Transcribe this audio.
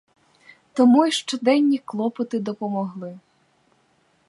Тому й щоденні клопоти допомогли.